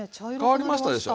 変わりましたでしょ。